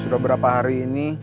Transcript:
sudah berapa hari ini